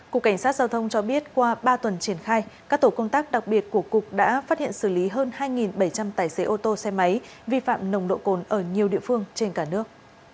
cục cảnh sát giao thông cho biết qua ba tuần triển khai các tổ công tác đặc biệt của cục đã phát hiện xử lý hơn hai bảy trăm linh tài xế ô tô xe máy vi phạm nồng độ cồn ở nhiều địa phương trên cả nước